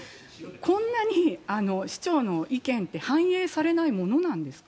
こんなに市長の意見って反映されないものなんですか。